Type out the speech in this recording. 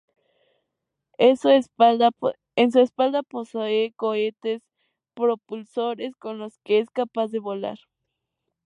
En su espalda posee unos cohetes propulsores con los que es capaz de volar.